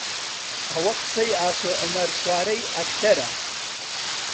ئەوە قسەی ئاسۆ عومەر سوارەی ئەکتەرە